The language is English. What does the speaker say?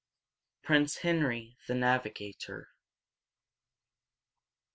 VII. PRINCE HENRY THE NAVIGATOR.